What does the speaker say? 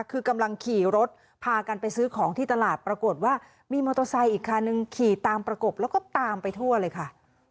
คือกำลังขี่รถพากันไปซื้อของที่ตลาดปรากฏว่ามีมอเตอร์ไซค์อีกคันนึงขี่ตามประกบแล้วก็ตามไปทั่วเลยค่ะ